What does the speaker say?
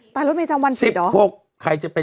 ใตรรุดไม่จำวันอาทิตย์เหรอ